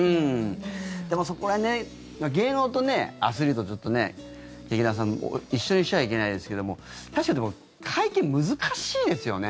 でも、そこら辺芸能とアスリートはちょっと劇団さん一緒にしちゃいけないですけども確かにでも会見、難しいですよね。